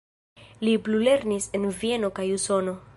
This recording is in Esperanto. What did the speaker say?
Li plulernis en Vieno kaj Usono.